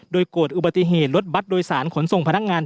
โดยเกิดอุบัติเหตุรถบัตรโดยสารขนส่งพนักงาน